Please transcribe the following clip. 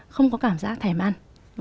không có cảm giác thèm ăn